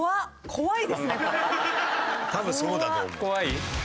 怖い？